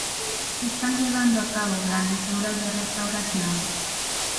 Se están llevando a cabo grandes obras de restauración.